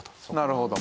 なるほど。